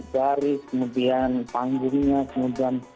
baris kemudian panggungnya kemudian